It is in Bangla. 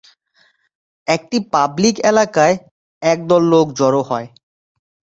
একটি পাবলিক এলাকায় একদল লোক জড়ো হয়।